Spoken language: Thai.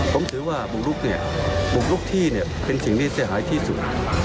ผมถือว่าบุกลุกเนี่ยบุกลุกที่เนี่ยเป็นสิ่งที่เสียหายที่สุด